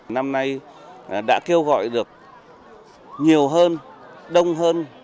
năm nay đã kêu gọi được nhiều hơn đông hơn các nhà tài trợ